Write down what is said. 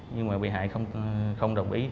nhưng mà bị hại không đồng ý